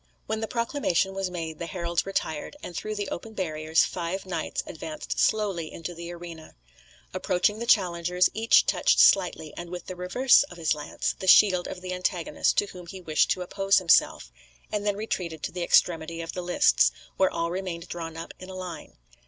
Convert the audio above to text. When the proclamation was made the heralds retired, and through the open barriers five knights advanced slowly into the arena. Approaching the challengers, each touched slightly, and with the reverse of his lance, the shield of the antagonist to whom he wished to oppose himself, and then retreated to the extremity of the lists, where all remained drawn up in a line.